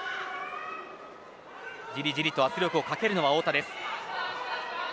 じりじりと圧力をかけるのは太田です。